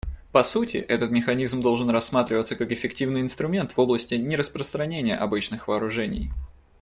По сути, этот механизм должен рассматриваться как эффективный инструмент в области нераспространения обычных вооружений.